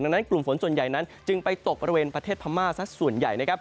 ดังนั้นกลุ่มฝนส่วนใหญ่นั้นจึงไปตกบริเวณประเทศพม่าสักส่วนใหญ่นะครับ